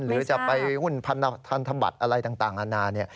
หรือจะไปหุ้นพันธบัตรอะไรต่างอาณา